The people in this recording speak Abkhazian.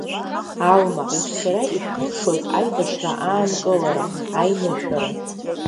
Алма, шәара ишәылшоит аибашьра аанкылара, аинышәара.